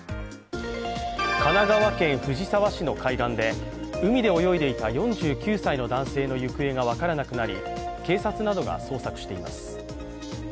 神奈川県藤沢市の海岸で海で泳いでいた４９歳の男性の行方が分からなくなり、警察などが捜索しています。